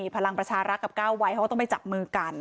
พลังประชารักษ์กับก้าวไวเขาก็ต้องไปจับมือกัน